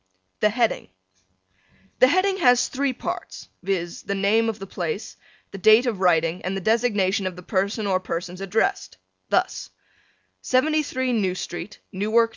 THE HEADING The Heading has three parts, viz., the name of the place, the date of writing and the designation of the person or persons addressed; thus: 73 New Street, Newark, N.